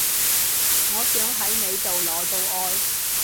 我想喺你度攞到愛